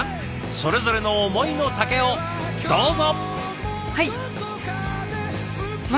それぞれの思いの丈をどうぞ！